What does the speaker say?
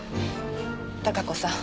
貴子さん。